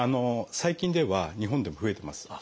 最近では日本でも増えてます。